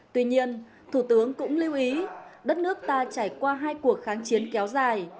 tuy nhiên thủ tướng cũng lưu ý đất nước ta trải qua hai cuộc kháng chiến kéo dài